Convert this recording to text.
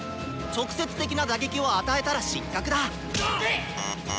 直接的な打撃を与えたら失格だ！